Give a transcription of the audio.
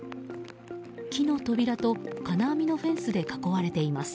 木の扉と金網のフェンスで囲われています。